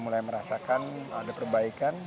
mulai merasakan ada perbaikan